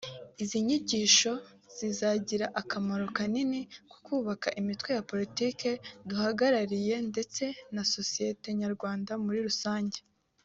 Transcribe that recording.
izi nyigisho zizagira akamaro kanini ku kubaka imitwe ya Politiki duhagarariye ndetse na sosiyete nyarwanda muri rusange